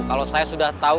kalau saya sudah tahu